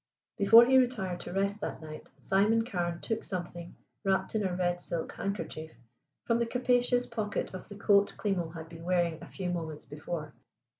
Before he retired to rest that night Simon Carne took something, wrapped in a red silk handkerchief, from the capacious pocket of the coat Klimo had been wearing a few moments before.